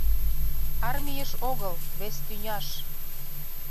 Армийыш огыл — вес тӱняш.